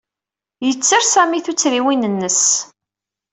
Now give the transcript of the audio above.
Yetter Sami tuttriwin-nnes.